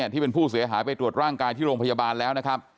ที่เป็นผู้เสียหายไปตรวจร่างกายที่โรงพยาบาลแล้วนะครับ